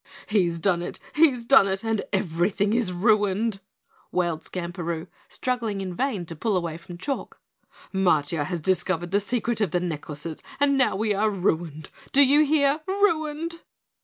"He's done it! He's done it, and everything, is ruined," wailed Skamperoo, struggling in vain to pull away from Chalk. "Matiah has discovered the secret of the necklaces and now we are ruined do you hear ruined!"